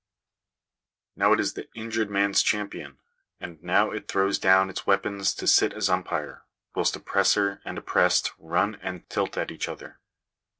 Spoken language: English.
Now it is the injured man's champion ; and now it throws down its weapons to sit as umpire, whilst oppressor and oppressed run a tilt at each other.